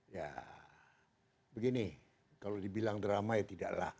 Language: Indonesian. ya begini kalau dibilang drama ya tidaklah